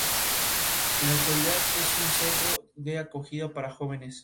Cada uno tiene ciertas cualidades que hace que sean la pareja de abogados perfecta.